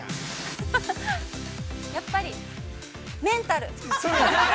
◆やっぱり、メンタル。